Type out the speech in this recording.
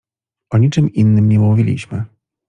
O niczym innym nie mówiliśmy.